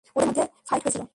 ওদের মধ্যে ফাইট হয়েছিল।